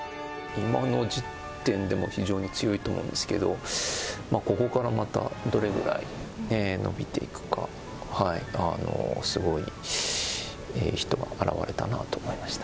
今の時点でも、非常に強いと思うんですけど、ここからまた、どれぐらい伸びていくか、すごい人が現れたなと思いました。